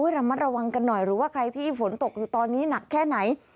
ระมัดระวังกันหน่อยหรือว่าใครที่ฝนตกอยู่ตอนนี้หนักแค่ไหน